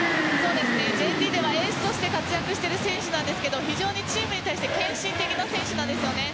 ＪＴではエースとして活躍している選手なんですが非常にチームに対して献身的な選手なんですよね。